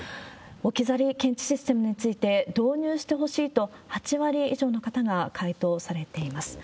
置き去り検知システムについて、導入してほしいと８割以上の方が回答されています。